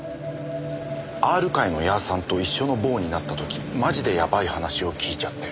「Ｒ会のヤーさんと一緒の房になった時マジでヤバい話を聞いちゃって」